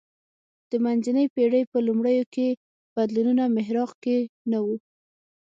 د منځنۍ پېړۍ په لومړیو کې بدلونونو محراق کې نه و